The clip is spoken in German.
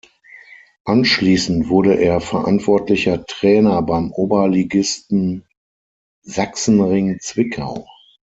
Anschließend wurde er verantwortlicher Trainer beim Oberligisten Sachsenring Zwickau.